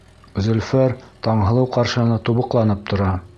Зөлфәр Таңһылыу ҡаршыһына тубыҡланып тора.